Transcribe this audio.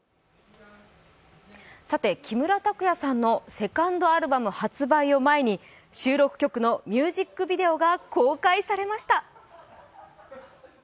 木村拓哉さんのセカンドアルバム発売を前に収録曲のミュージックビデオが公開されました。